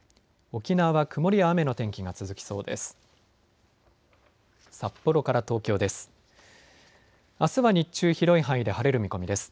沖縄は曇りや雨の天気が続きそうです。